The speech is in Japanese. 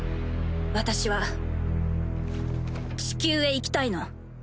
私は地球へ行きたいの。